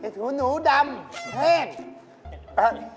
เห็ดหูหนูดำแห้ง